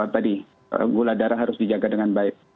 tadi gula darah harus dijaga dengan baik